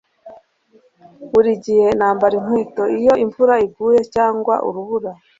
Buri gihe nambara inkweto iyo imvura iguye cyangwa urubura